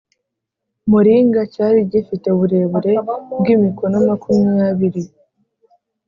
muringa Cyari gifite uburebure bw imikono makumyabiri